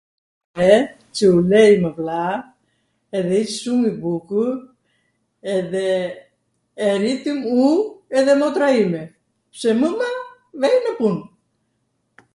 ve, Cw u vej me vlla, edhe ish shum i bukur, edhe e ritwm u edhe motra ime, pse mwma vej nw pun.